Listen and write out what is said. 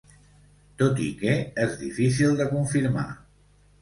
Tot i que és difícil de confirmar.